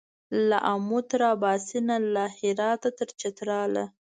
له آمو تر اباسینه له هراته تر چتراله